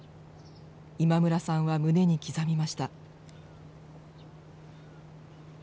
今村さんは胸に刻みました。